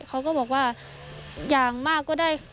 เขาก็บอกว่าอย่างมากก็ได้